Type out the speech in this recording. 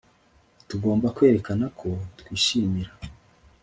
Tugomba kwerekana ko twishimira